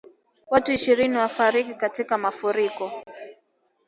Watu ishirini wafariki katika mafuriko